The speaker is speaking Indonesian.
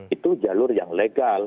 itu jalur yang legal